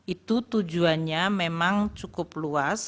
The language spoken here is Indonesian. itu tujuannya memang cukup luas